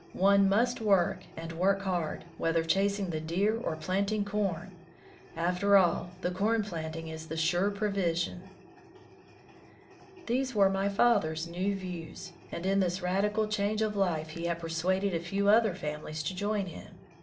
One must work, and work hard, whether chasing the deer or planting com. After all, the corn planting is the surer provision. These were my father's new views, and in this radical change of life he had persuaded a few other families to join him.